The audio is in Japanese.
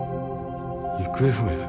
行方不明？